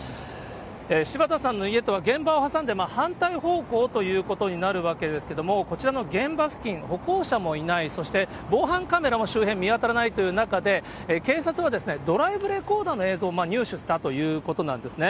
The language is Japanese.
柴田さんの家とは、現場を挟んで反対方向ということになるわけですけれども、こちらの現場付近、歩行者もいない、そして防犯カメラも、周辺、見当たらないという中で、警察はドライブレコーダーの映像を入手したということなんですね。